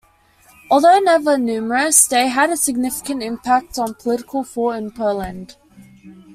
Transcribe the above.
Although never numerous, they had a significant impact on political thought in Poland.